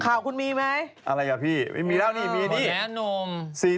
อะไรหรือเอาพี่ไม่มีแล้วมีนี่นี่นี่จนแหน้งหนุม